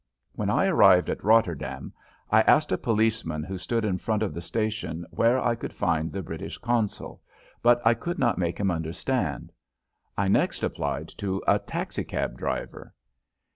When I arrived at Rotterdam I asked a policeman who stood in front of the station where I could find the British consul, but I could not make him understand. I next applied to a taxicab driver.